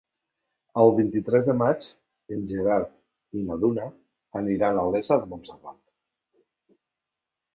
El vint-i-tres de maig en Gerard i na Duna aniran a Olesa de Montserrat.